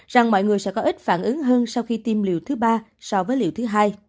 rằng mọi người sẽ có ít phản ứng hơn sau khi tiêm liều thứ ba so với liều thứ hai